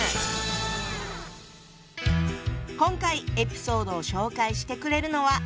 今回エピソードを紹介してくれるのは。